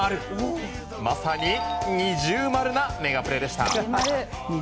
まさに二重丸なメガプレでした。